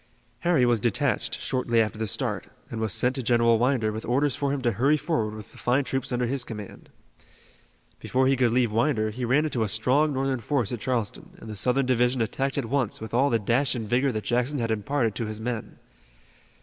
Harry was detached shortly after the start, and was sent to General Winder with orders for him to hurry forward with the fine troops under his command. Before he could leave Winder he ran into a strong Northern force at Charleston, and the Southern division attacked at once with all the dash and vigor that Jackson had imparted to his men.